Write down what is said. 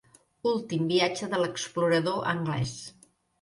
Últim viatge de l'explorador anglès.